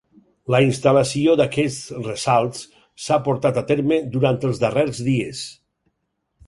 La instal·lació d’aquests ressalts s’ha portat a terme durant els darrers dies.